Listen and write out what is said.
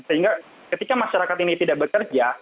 sehingga ketika masyarakat ini tidak bekerja